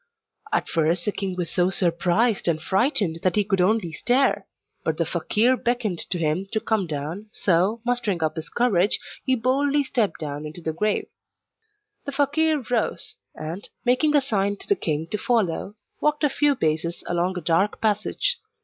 At first the king was so surprised and frightened that he could only stare; but the fakeer beckoned to him to come down, so, mustering up his courage, he boldly stepped down into the grave. The fakeer rose, and, making a sign to the king to follow, walked a few paces along a dark passage.